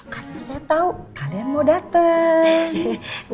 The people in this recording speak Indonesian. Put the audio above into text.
karena saya tau kalian mau dateng